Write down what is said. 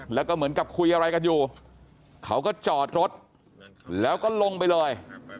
แล้วก็เหมือนกับคุยอะไรกันอยู่เขาก็จอดรถแล้วก็ลงไปเลย